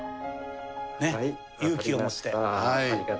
ねっ勇気を持って。